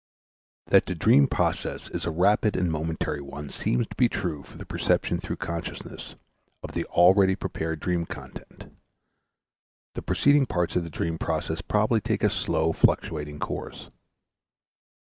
That the dream process is a rapid and momentary one seems to be true for the perception through consciousness of the already prepared dream content; the preceding parts of the dream process probably take a slow, fluctuating course.